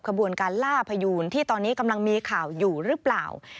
ขบวนการล่าพยูนที่ตอนนี้กำลังมีข่าวอยู่หรือเปล่า